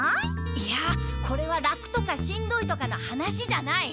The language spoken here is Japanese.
いやこれは楽とかしんどいとかの話じゃない。